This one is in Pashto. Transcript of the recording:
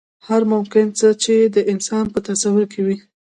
هر ممکن څه چې د انسان په تصور کې وي.